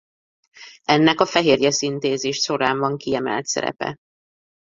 Ennek a fehérjeszintézis során van kiemelt szerepe.